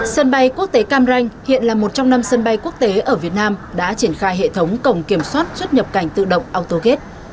sân bay quốc tế cam ranh hiện là một trong năm sân bay quốc tế ở việt nam đã triển khai hệ thống cổng kiểm soát xuất nhập cảnh tự động autogate